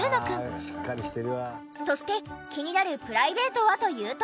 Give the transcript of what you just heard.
そして気になるプライベートはというと。